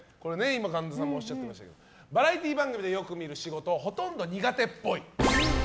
神田さんもおっしゃっていましたがバラエティー番組でよく見る仕事ほとんど苦手っぽい。